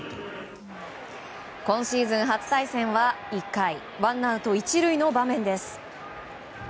今シーズン初対戦は１回、ワンアウト１塁の場面。